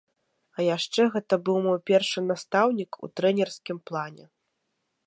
А яшчэ гэта быў мой першы настаўнік у трэнерскім плане.